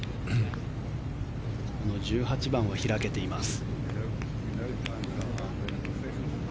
この１８番は開けています。